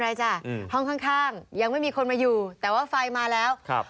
จ้ะอืมห้องข้างข้างยังไม่มีคนมาอยู่แต่ว่าไฟมาแล้วครับ